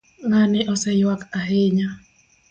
ng'ani oseyuak ahinya